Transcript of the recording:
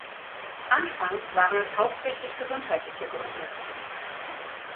Anfangs waren es hauptsächlich gesundheitliche Gründe.